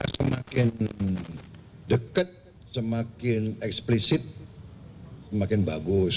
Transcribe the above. semakin dekat semakin eksplisit semakin bagus